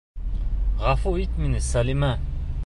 Ғәфү ит мине, Сәлимә...